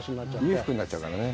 裕福になっちゃうからね。